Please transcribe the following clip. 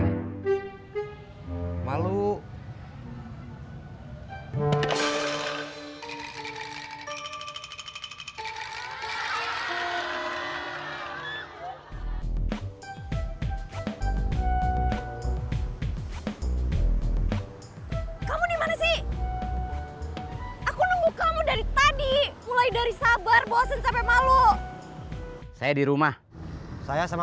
hai kamu dimana sih aku nunggu kamu dari tadi mulai dari sabar bosen sampai malu saya di rumah saya sama